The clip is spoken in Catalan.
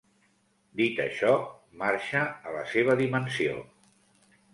Dit això, marxa a la seva dimensió.